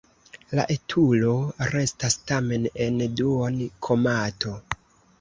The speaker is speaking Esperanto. La etulo restas tamen en duon-komato.